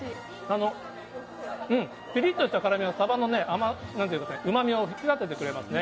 うん、ピリッとした辛みがサバの、なんていうんですか、うまみを引き立ててくれますね。